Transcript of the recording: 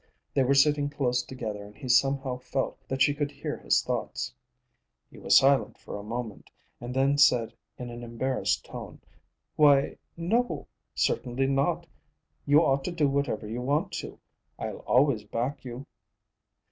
They were sitting close together and he somehow felt that she could hear his thoughts. He was silent for a moment, and then said in an embarrassed tone, "Why, no, certainly not. You ought to do whatever you want to. I'll always back you."